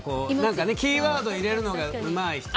キーワードを入れるのがうまい人。